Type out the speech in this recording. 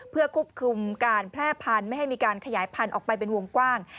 เพื่อควบคุมการแพร่พันธุ์ไม่ให้มีการขยายพันธุ์ออกไปเป็นวงกว้าง